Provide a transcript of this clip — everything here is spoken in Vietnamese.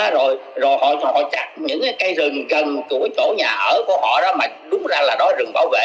rồi họ chặt những cây rừng gần chỗ nhà ở của họ đó mà đúng ra là đói rừng bảo vệ